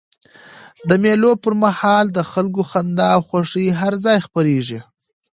د مېلو پر مهال د خلکو خندا او خوښۍ هر ځای خپریږي.